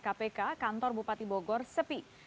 kpk kantor bupati bogor sepi